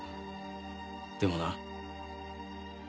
でもな。